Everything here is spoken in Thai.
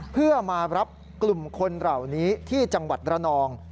เพื่อมารับกลุ่มคนเหล่านี้ที่จังหวัดระนอง